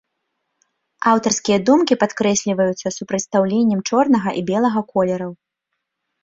Аўтарскія думкі падкрэсліваюцца супрацьстаўленнем чорнага і белага колераў.